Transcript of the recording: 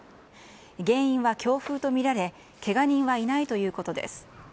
原因は強風と見られ、けが人はいないということです。